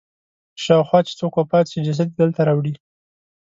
شاوخوا چې څوک وفات شي جسد یې دلته راوړي.